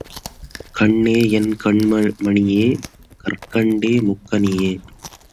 கண்ணே என் கண்மணியே கற்கண்டே முக்கனியே!